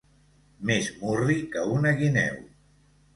Més murri que una guineu.